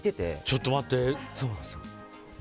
ちょっと待って。